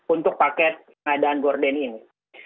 untuk paket pengadaan gordon ini